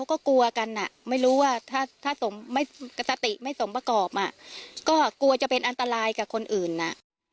ก็กลัวจะเป็นอันตรายกับคนอื่นนะ